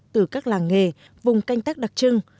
từ các làng nghề vùng canh tác đặc trưng